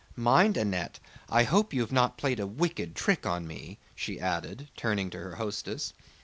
"Mind, Annette, I hope you have not played a wicked trick on me," she added, turning to her hostess.